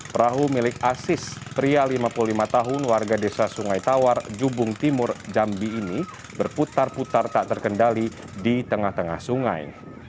perahu milik asis pria lima puluh lima tahun warga desa sungai tawar jubung timur jambi ini berputar putar tak terkendali di tengah tengah sungai